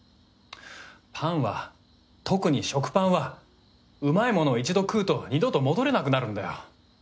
パンは特に食パンはうまいものを一度食うと二度と戻れなくなるんだよ。